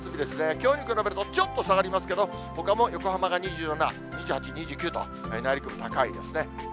きょうに比べると、ちょっと下がりますけど、ほかも横浜が２７、２８、２９と、内陸部高いですね。